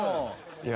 いや。